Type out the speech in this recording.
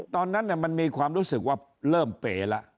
ตอนนั้นมันมีความรู้สึกว่าเริ่มเป๋แล้ว